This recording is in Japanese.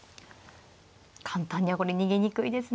簡単にはこれ逃げにくいですね。